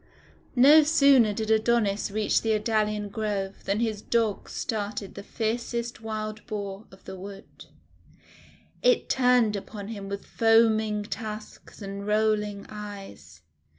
No sooner did Adonis reach the Idalian Grove than his Dogs started the fiercest Wild Boar of the wood. It turned upon him with foaming tusks and rolling eyes.